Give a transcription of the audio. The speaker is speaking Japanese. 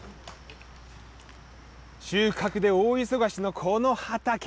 収穫で大忙しのこの畑。